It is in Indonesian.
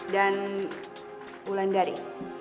dan ulan dari